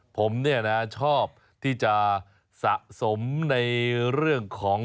ผมเนี่ยนะชอบที่จะสะสมในเรื่องของ